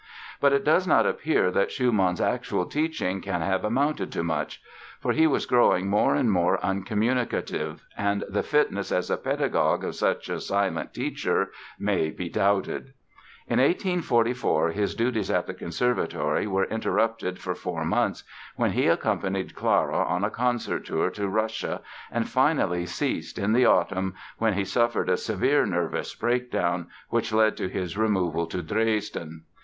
But it does not appear that Schumann's actual teaching can have amounted to much. For he was growing more and more uncommunicative and the fitness as a pedagogue of such a silent teacher may be doubted. In 1844 his duties at the Conservatory were interrupted for four months when he accompanied Clara on a concert tour to Russia and finally ceased in the autumn when he suffered a severe nervous breakdown which led to his removal to Dresden.